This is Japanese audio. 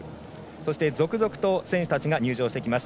そして続々と選手たちが入場してきます。